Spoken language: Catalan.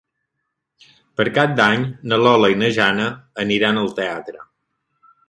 Per Cap d'Any na Lola i na Jana aniran al teatre.